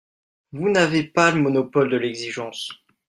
Vous n’avez pas le monopole de l’exigence